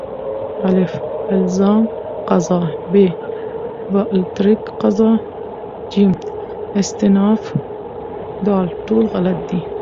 الف: الزام قضا ب: باالترک قضا ج: استیناف د: ټول غلط دي